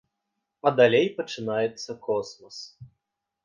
А далей пачынаецца космас!